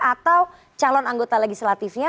atau calon anggota legislatifnya